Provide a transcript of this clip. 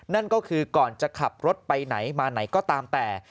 นั่นก็คือก่อนจะขับรถไปไหนมาไหนก็ตามแต่